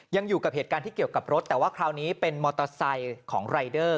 ยังอยู่กับเหตุการณ์ที่เกี่ยวกับรถแต่ว่าคราวนี้เป็นมอเตอร์ไซค์ของรายเดอร์